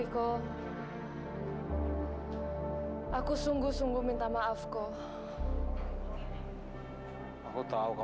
masalahnya resmi resmi ericka dia merasakan keadaan kurzere paham